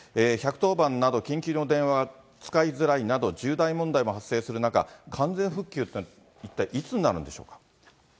１１０番など緊急の電話が使いづらいなど、重大問題も発生する中、完全復旧というのは、一体、いつになるんでしょうか。